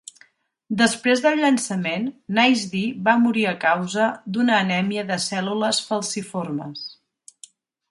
Després del llançament, Nyce D va morir a causa d'una anèmia de cèl·lules falciformes.